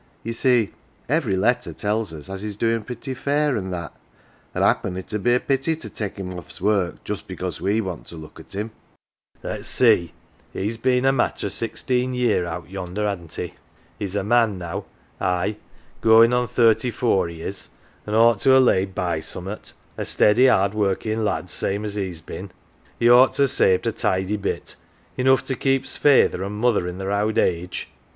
Ye see, every letter tells us as he's doin 1 pretty fair, an 1 that ; an 1 happen it 'ud be a pity to take him ofTs work just because we want to look at him. 11 236 "OUR JOE" " Let's see, he's been a matter o' sixteen year out yonder, han't he ? He's a man now ; aye, goin' on thirty four he is, an' ought to ha' laid by summat a steady hard working lad same as he's been. He ought to ha' saved a tidy bit, enough to keep's feyther an' mother i' their owd age.